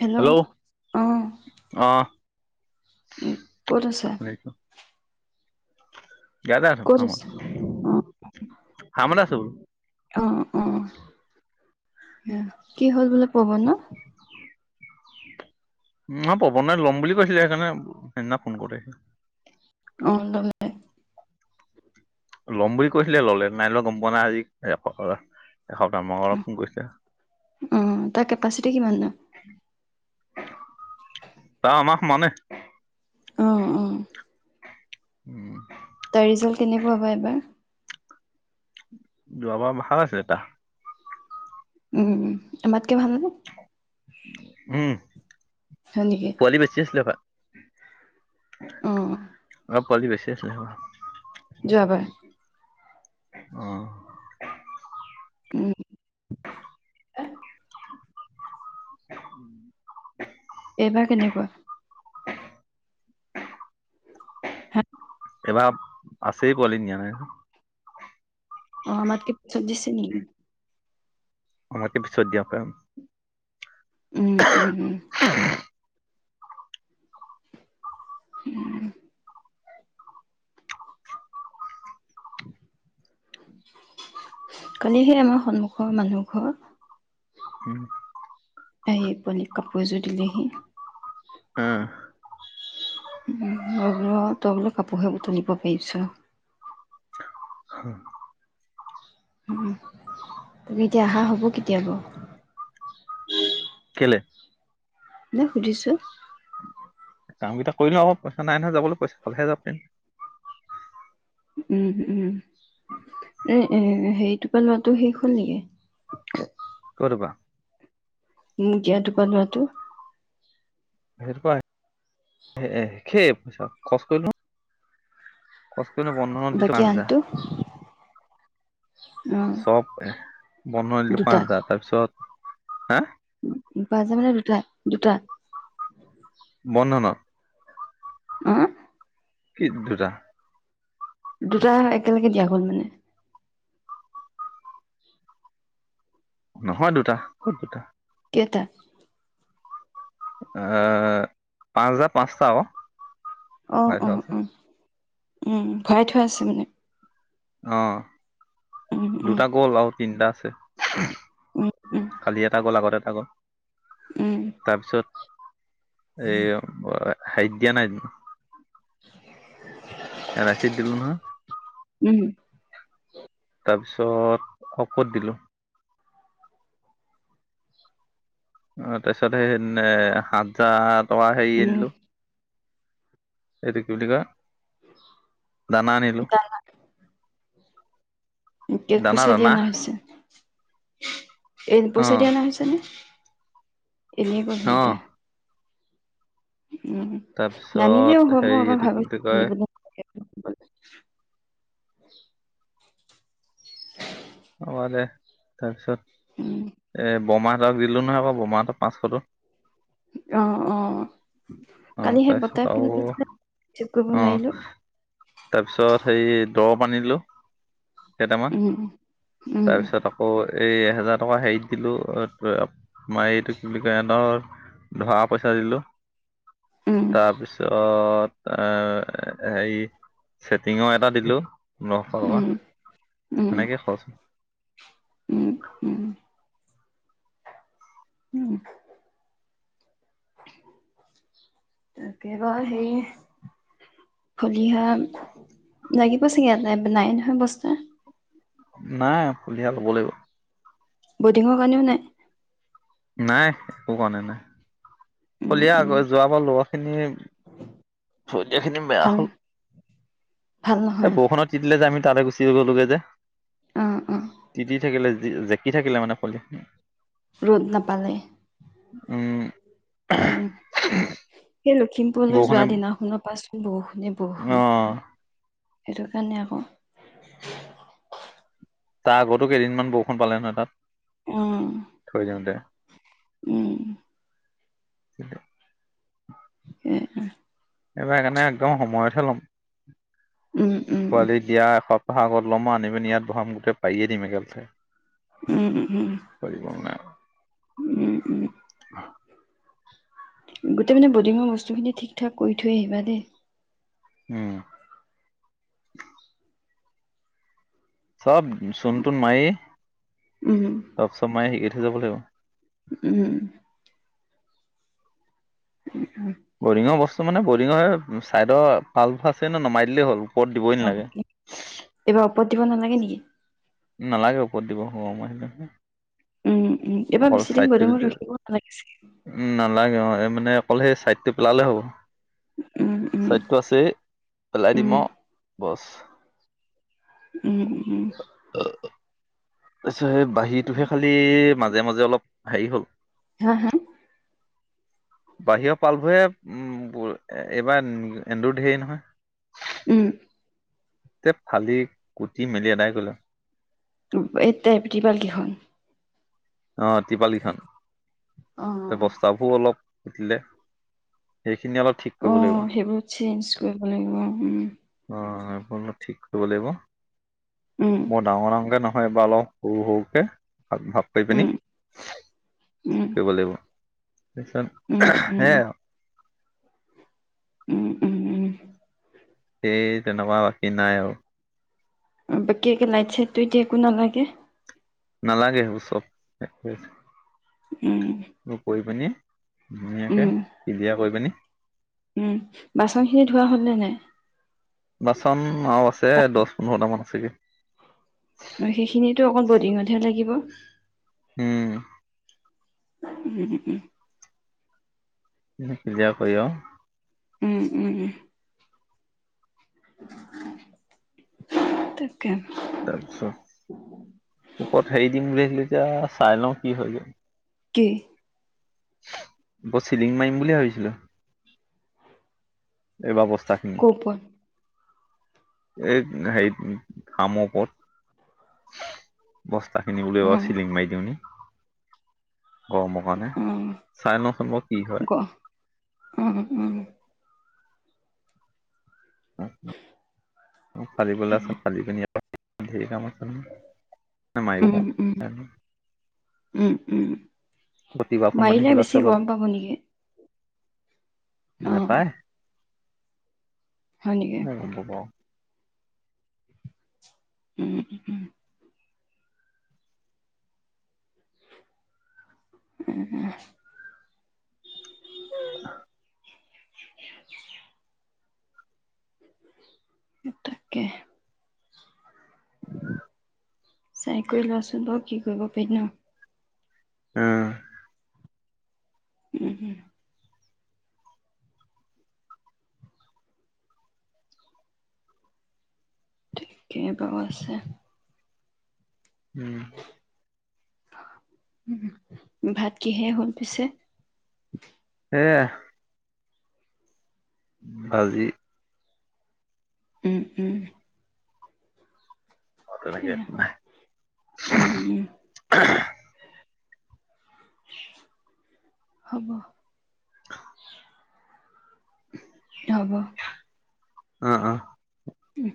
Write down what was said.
Hello আহ অ উ ক'ত আছা শুনিছো ইয়াতে আছো ক'ত ফামত আছা অ ফামত আছো ব অ অ কি হ'ল বোলে কব ন উ ম পৱন লম বুলি কৈছিলে সেইকাৰণে সেইদিনা ফোন কৰিছ অে [unintelligible] ল'ম বুলি কৈছিলে ললে নাই ল গম পোৱা নাই আজি এ্ত এসপ্তাহ মত ফোন কৰিছে অ তাৰ কেপাচিটি কিমান দ তা আমাক সমানে আহঁ অঁ উম [inaudible] তাৰ ৰিজাল্ট কেনেকুৱা হ'বা এবাৰ যোৱাবাৰ ভাল আছে এটা উম আমাতকে ভালনে উম হয় নেকি পোৱালি বেছি আছিলে তা অ অ [inaudible] পোৱালী বেছি আছিলে [unintelligible] যাবাৰ [inaudible] অঁ উম উ এইবাৰ কেনেকুৱা এইবাৰ আছে অঁ আৰু কি চব্জিছে নি আমাৰতে পিছত দিয়ক উম উম উম উম কালি সে আমাৰ সন্মুখৰ মানুহ ঘৰ উম আহে প কাপোৰ এযোৰ দিলেহি অ মই বোলো তই বোলো কাপোৰহে উতনিব পাৰিছ তুমি এতিয়া অহা হ'ব কেতিয়াবা কে নাই সুধিছো কাম কেইটা কৰি লওঁ আকৌ পইচা নাই নহয় যাবলৈ পইচা হালেহে যাব পন্ত উম উম এ এ হেৰিটোপ লৰাটো শেষ হ'ল নেকি ক'ত পা উ কিয়টো পালো ত খেই পইচা খৰচ কৰিলো কচ বাকি আনতৌ চব এ বনাই দিলো পাঁচ হাজাৰ তাৰ পিছত হাঁ বাজ মানে দুটা দুটা বন্ধনা আঁ কি দুটা দুটা একেলগে দিয়া হ'ল মানে নহয় দুটা ক'ত দুটা কেইটা পাঁচ হাজাৰ পাঁচটা আঁহ ভৰাই অঁ থোৱা আছে উ উম ভৰাই থৈ আছে মানে উম অঁ উম দুটা গ'ল আৰু তিনটা আছে উম কালি এটা গ'ল আগত এটা গ'ল উম তাৰপিছত এ হাই দিয়া নাই ৰাছিদ দিলো নহই উম তাৰপিছত ক'ত ক'ত দিলো অ তাৰপিছত এ সেই সাততাত তৱ হেৰী উম উম আনিলো এটো কি বুলি কয় দানা আনিলো কেছ পইচা দিয়া নাই চাগে [inaudible] এ অ পইচা দি অনা হৈছে নে এনেই ক অ সেইকেইটা উম তাৰপিছত নানিলেও হয় মই হেৰি এবাৰ এইটো কি ভাবিছো বুলি [inaudible] কয় অ দে তাৰপিছত উম এ বমা যাক দিলো নহয় বাৰ বোমাটো পাঁচশটো অ অ আহ কালি সেই বৰ্তাই তাৰপিছত ফোন আৰু কৰিছিলে ৰিচিভ কৰিব আহ নোৱাৰিলো তাৰপিছত সেই দৰপ আনি দিলো কেইটামান উম উম তাৰপিছত আকৌ এই এহেজাৰ টকা হেৰিত দিলোঁ মাৰ এইটো কি বুলি কয় ধৰ ধৰা পইচা দিলোঁ উম তাৰপিছত অ এই ছেটিঙৰ এটা দিলো পোন্ধৰশ উম টকা উম সেনেকে উম উম উম তাকে বা সেই খলিহা লাগিব চাগে ইয়াতে নাই নহয় বস্তু নাই ফুলিয়া হ'ব লাগিব বডিঙৰ কাৰণেও নাই নাই একো কাৰণে নাই উম খলিয়া উম আকৌ যোৱাবাৰ লৰা খিনি এতিয়া খিনি বেয়া ভাল হ'ল ভাল এ নহয় বৰষুণত তিতিলে যে আমি তালে গুচি গ'লোগে যে অ অ তিতি থাকিলে জেকি থাকিলে মানে পলি ৰ'দ নাপালে। উম উম, সেই লখিমপুৰলৈ যোৱা বৰষুণে দিনাখনৰ পা চোন বৰষুণে, অ বৰষুণ। সেইটো কাৰণে আকৌ তাৰ আগতো কেইদিনমান বৰষুণ পালে নহয় তাত? উম থৈ যাওঁতে উম। [unintelligible] [unintelligible] এইবাৰ সেইকাৰণে একদম সময়তহে ল'ম। উম উম উম পোৱালি দিয়া এশ আগত ল'ম আনি, পিনি ইয়াত ভৰাম গোটেই পায়িয়েই দিম একেলেথাৰিয়ে উম, উম, উম, উম, উম। গোটেই মানে বৰ্ডিঙৰ বস্তুখিনি ঠিক, ঠাক কৰি থৈ আহিবা দেই। উম। চব চোন, টোন মায়ি উম, [unintelligible] যাব লাগিব উম। [unintelligible] বৰিঙ বচ মানে বৰিঙৰ হয় চাইডৰ পাল্ফ আছে নে নমাই দিলেই হ'ল। ওপৰত দিবই নালাগে। বদ দিব নালাগে নেকি? নালাগে ওপৰত দিব হমই আহিল। উম। উম, এবাৰ বেছিদিন গুদামত ৰাখিব নালাগিছিল। উম, নালাগে অ এই মানে অকল সেই ছাইডটো পেলালে হ'ব। উম, উম, স্বাইটো আছে পেলাই দিম উম, আৰু বছ। উম, উম, উম। তাৰপিছত বাঁহীটোহে খালি মাজ মাজে মাজে অলপ হেৰি হ'ল। হা, হা? বাহিৰৰ পালবোৰে উম, এইবাৰ এন্দুৰ ধেৰ নহয়। উম। তে ফালি কুটি মেলি এদাই গ'লে। এ তে ত্ৰিপাল কেখন। অ', টিপালী খান অ', বস্তাবোৰ অলপ উঠিলে দে অ সেইবোৰ চেঞ্জ কৰিব লাগিব উম সম্পূৰ্ণ ঠিক কৰিব লাগিব উম, মই ডাঙৰ ডাঙকে নহ হয় বা অলপ সৰু সৰুকে ভাগ ভাগ কৰি পিনে উম, উম। কৰিব লাগিব উম, তাৰিছত উম, সে আৰু উম উম উম সেই তেনকা বাকি নাই বাকি কে লাইট চাইট ত এতিয়া একো নালাগে নালাগে সেইবোৰ চব উম, কৈ পিনি ধুনীয়াকে উম, ক্লিয়াৰ কৰি পিনে উম বাচনখিনি ধোৱা হ'লনে নাই বাচন মাও আছে দহ পোন্ধৰটা মানত কিহে সেইখিনিটো অকল বডিঙতহে লাগিব উম উম উ নি নিজে কৰলা উম উম উম তাতে তাৰপিছত ওপৰত হেৰি দিম বুলি আহিলে এতিয়া চাই লওঁ কি হৈ গল তাকে উপৰত চিলিং মাৰিম বুলি ভাবিছিলো এইবাৰ বস কাউপন এ হেৰিত ফামৰপৰত বস্তাখিনি অ উলিয়াবা চিলিং মাৰি দিওঁ নি গৰমৰ কাৰণে অ চাই লৈছোন বাৰু কি হয় উম হ উম অ ফালিবলৈ আছে ফালিকিনি ইয়াত ধেৰ কাম আছে নহয় মাৰিব উম পাৰোঁ উম উম উম প্ৰতিভাখন বান্ধি মাৰিলে পেলাই আছে বেছি গৰম পাব নেকি অ নাপায় হয় নেকি উ ব [inaudible] উম উম উম উম উম স [inaudible] তাকে চাই কৰি লোৱাচোন বাৰু কি কৰিব পাৰি ন হম উম ঠিকেই বাৰু আছে উম ভাত কিহে হ'ল পিছে এয়া ভাজি উম উম আ তেনে ক সেয়া নে উম উম [inaudible] হ'ব হব উম উম উম